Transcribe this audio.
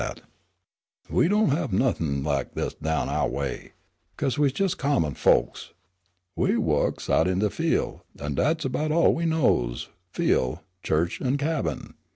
"We don' have nuffin' lak dis down ouah way. Co'se, we's jes' common folks. We wo'ks out in de fiel', and dat's about all we knows fiel', chu'ch an' cabin.